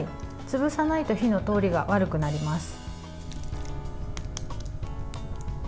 潰さないと火の通りが悪くなります。